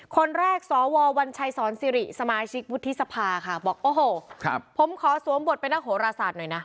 คนแรกสววัญชัยสอนสิริสมาชิกวุฒิสภาค่ะบอกโอ้โหผมขอสวมบทเป็นนักโหราศาสตร์หน่อยนะ